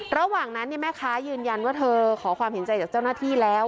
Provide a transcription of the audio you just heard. ระหว่างนั้นแม่ค้ายืนยันว่าเธอขอความเห็นใจจากเจ้าหน้าที่แล้ว